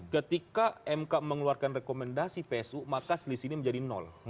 ketika mk mengeluarkan rekomendasi psu maka selisih ini menjadi nol